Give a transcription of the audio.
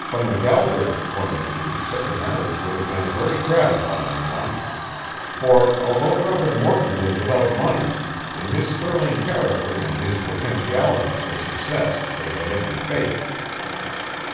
From the Galbraiths' point of view such a marriage would have been a very gratifying one, for although Robert Morton was without money, in his sterling character and his potentalities for success they had every faith.